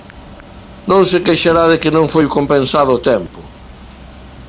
¡Non se queixará de que non foi compensado o tempo!